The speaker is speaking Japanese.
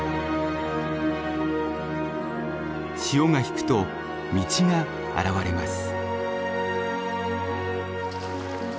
潮が引くと道が現れます。